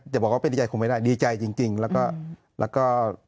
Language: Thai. บอกว่าเป็นดีใจคงไม่ได้ดีใจจริงแล้วก็